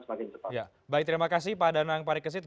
semakin cepat baik terima kasih pak danang parikesit